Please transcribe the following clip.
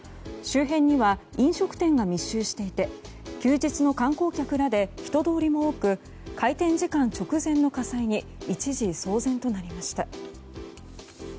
周辺には飲食店が密集していて休日の観光客らで人通りも多く開店時間直前の火災に一時騒然となりました。